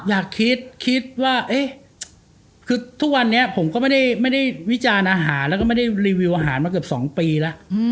อยากคิดคิดว่าเอ๊ะคือทุกวันนี้ผมก็ไม่ได้วิจารณ์อาหารแล้วก็ไม่ได้รีวิวอาหารมาเกือบ๒ปีแล้ว